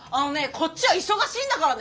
こっちは忙しいんだからね